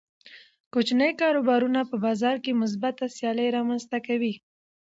کوچني کاروبارونه په بازار کې مثبته سیالي رامنځته کوي.